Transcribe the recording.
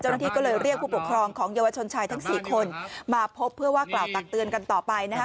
เจ้านักดิก็เลยเรียกหัวพลังสนามความเยาวชนชายทั้งสี่คนมาพบเพื่อกล่าวตักเตือนต่อใบนะฮะ